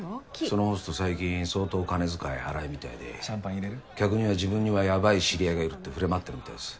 そのホスト最近相当金遣い荒いみたいで客には自分にはヤバい知り合いがいるって触れ回ってるみたいです。